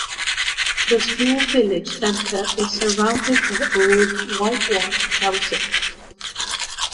The small village center is surrounded by old whitewashed houses.